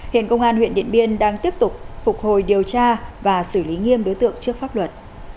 hiện công an huyện điện biên đang tiếp tục phục hồi điều tra và xử lý nghiêm đối tượng trước pháp luật